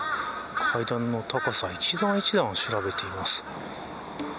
階段の高さ一段一段を調べています。